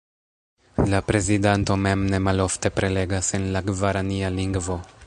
La prezidanto mem ne malofte prelegas en la gvarania lingvo.